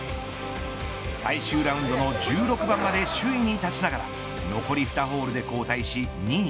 最終ラウンドの１６番まで首位に立ちながら残り２ホールで後退し、２位。